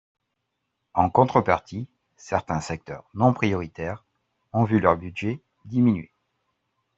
En contrepartie, certains secteurs non prioritaires ont vu leur budget diminuer.